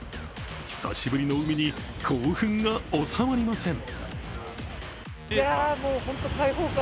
久しぶりの海に、興奮が収まりません。